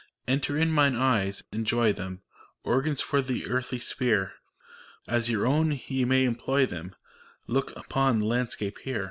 Enter in mine eyes: enjoy them. Organs for the earthly sphere I As your own ye may employ them : Look upon the landscape here!